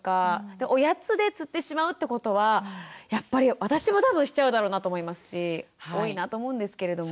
おやつでつってしまうってことはやっぱり私も多分しちゃうだろうなと思いますし多いなと思うんですけれども。